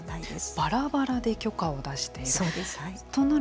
ばらばらで許可を出している。